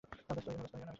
ব্যাস্ত হয়ো না।